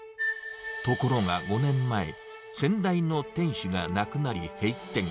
ところが５年前、先代の店主が亡くなり閉店。